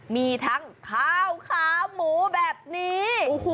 มีทั้งข้าวขาหมูแบบนี้